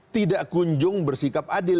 tidak kunjung bersikap adil